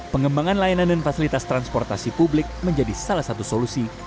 pengembangan layanan dan fasilitas transportasi publik menjadi salah satu solusi